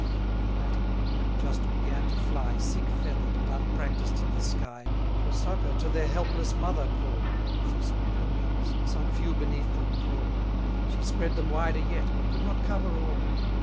The latter brood, who just began to fly, Sick feather'd, and unpractised in the sky, For succour to their helpless mother call: She spread her wings; some few beneath them crawl; She spread them wider yet, but could not cover all.